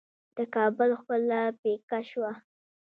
د کابل ښکلا پیکه شوه.